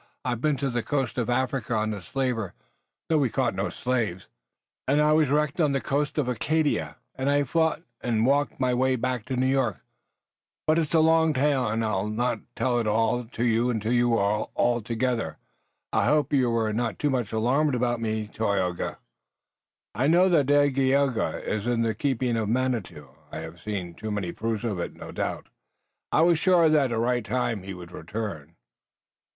I've been to the coast of Africa on a slaver, though we caught no slaves, and I was wrecked on the coast of Acadia, and I fought and walked my way back to New York! But it's a long tale, and I'll not tell it till all of you are together. I hope you were not too much alarmed about me, Tayoga." "I know that Dagaeoga is in the keeping of Manitou. I have seen too many proofs of it to doubt. I was sure that at the right time he would return."